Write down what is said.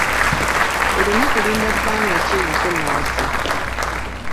Olina kulinda bbanga ki nga tonnawasa?